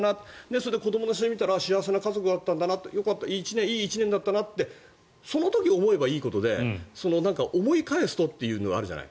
それで子どもの写真を見たら幸せな家族だったんだないい１年だったなってその時思えばいいことで思い返すとというのがあるじゃない？